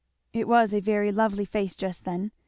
] It was a very lovely face just then.